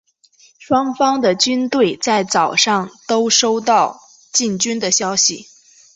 双方的军队在早上都收到进军的消息。